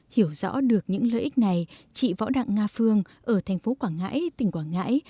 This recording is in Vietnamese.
hiểu rõ được những lợi ích này chị võ đặng nga phương ở thành phố quảng ngãi tỉnh quảng ngãi